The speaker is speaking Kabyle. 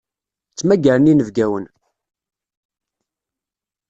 Ttmagaren inebgawen.